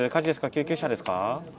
救急車ですか？